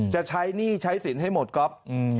จะใช้หนี้ใช้สินให้หมดก๊อฟ